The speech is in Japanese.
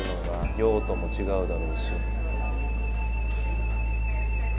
用途も違うだろうし。